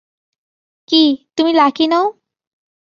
কি, তুমি লাকি নও?